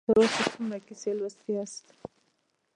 تاسې تر اوسه څومره کیسې لوستي یاست؟